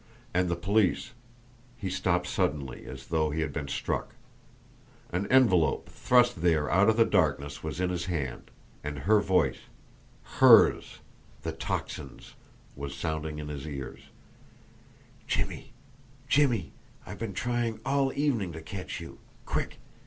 And the police He stopped suddenly, as though he had been struck. An envelope, thrust there out of the darkness, was in his hand; and her voice, HERS, the Tocsin's, was sounding in his ears: "Jimmie! Jimmie! I've been trying all evening to catch you! Quick!